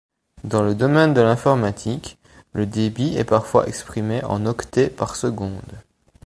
Dans le domaine de l'informatique, le débit est parfois exprimé en octets par seconde.